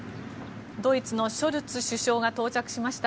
ドイツのショルツ首相が到着しました。